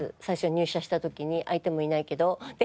最初入社した時に相手もいないけど。